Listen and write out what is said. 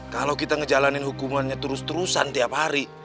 kalau kita ngejalanin hukumannya terus terusan tiap hari